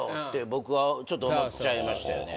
僕はちょっと思っちゃいましたよね